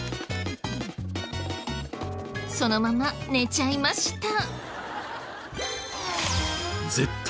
そのまま寝ちゃいました。